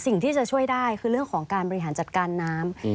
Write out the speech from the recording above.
สิ่งที่จะช่วยได้คือเรื่องของการบริหารจัดการน้ำ